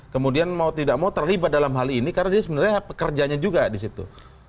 kemudian mau tidak mau terlibat dalam hal ini karena dia sebenarnya pekerjanya juga di situ